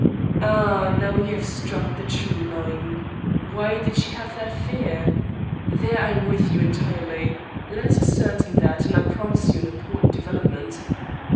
"Ah! Now you have struck the true line. Why did she have that fear? There I am with you entirely. Let us ascertain that and I promise you an important development.